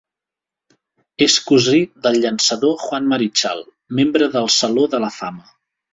És cosí del llançador Juan Marichal, membre del Saló de la Fama.